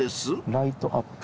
「ライトアップ」